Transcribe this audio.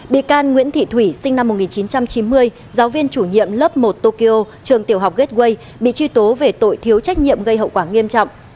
bị can nguyễn thị thủy sinh năm một nghìn chín trăm chín mươi giáo viên chủ nhiệm lớp một tokyo trường tiểu học gateway bị truy tố về tội thiếu trách nhiệm gây hậu quả nghiêm trọng